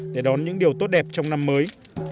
để đón những điều tốt đẹp trong năm mới